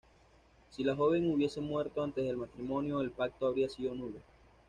Si la joven hubiese muerto antes del matrimonio, el pacto habría sido nulo.